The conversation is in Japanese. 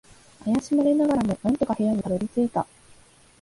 怪しまれながらも、なんとか部屋にたどり着いた。